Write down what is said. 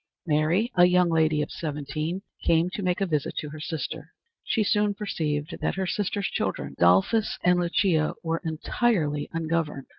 Mary, a young lady of seventeen, came to make a visit to her sister. She soon perceived that her sister's children, Adolphus and Lucia, were entirely ungoverned.